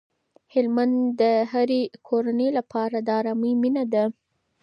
هلمند د هرې کورنۍ لپاره د ارامۍ مينه ده.